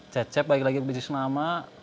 cecep balik lagi ke bisnis lama